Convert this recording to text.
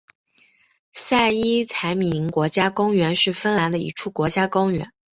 塞伊采米宁国家公园是芬兰的一处国家公园。